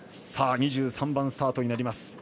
２３番スタートになります。